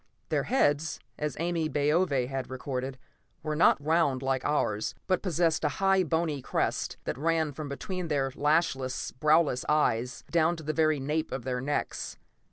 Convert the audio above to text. Their heads, as Ame Baove had recorded, were not round like ours, but possessed a high bony crest that ran from between their lashless, browless eyes, down to the very nape of their necks.